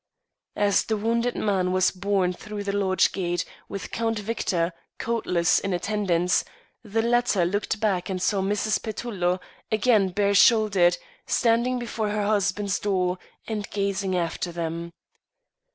As the wounded man was borne through the lodge gate with Count Victor, coatless, in attendance, the latter looked back and saw Mrs. Petullo, again bare shouldered, standing before her husband's door and gazing after them.